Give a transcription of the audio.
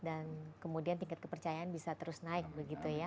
kemudian tingkat kepercayaan bisa terus naik begitu ya